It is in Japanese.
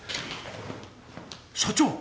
社長！